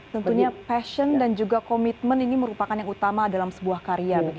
tentunya passion dan juga komitmen ini merupakan yang utama dalam sebuah karya